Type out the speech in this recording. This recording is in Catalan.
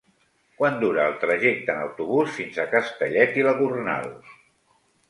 Quant dura el trajecte en autobús fins a Castellet i la Gornal?